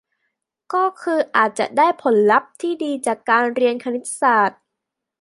ก็คืออาจจะได้ผลลัพธ์ที่ดีจากการเรียนคณิตศาสตร์